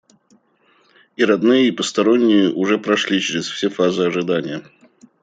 И родные и посторонние уже прошли чрез все фазы ожидания.